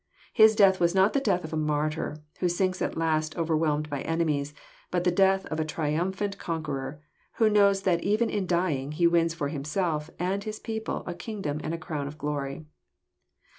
His death was not the death of a martyr, who sinks at last over whelmed by enemies, but the death of a triumphant con queror, who knows that even in dying he wins for himself and his people a kingdom and a crown of glory.